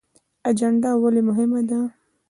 اجنډا ولې مهمه ده؟